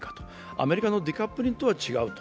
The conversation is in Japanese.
アメリカのデカップリングとは違うと。